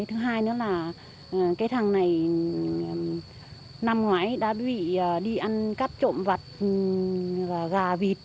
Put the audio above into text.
thứ hai nữa là cái thằng này năm ngoái đã bị đi ăn cắp trộm vặt và gà vịt